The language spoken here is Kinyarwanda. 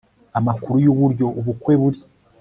amakuru yuburyo ubukwe buri